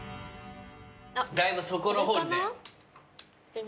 だいぶ底の方にね。